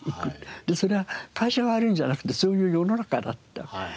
それは会社が悪いんじゃなくてそういう世の中だった。